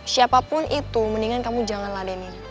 siapapun itu mendingan kamu jangan ladeni